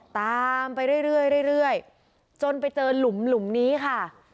ตามไปเรื่อยจนไปเจอหลุมนี้ค่ะ